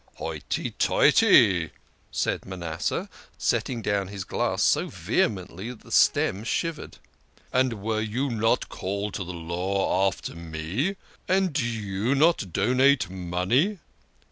" Hoity toity !" said Manasseh, setting down his glass so vehemently that the stem shivered. "And were you not called to the Law after me? And did you not donate money?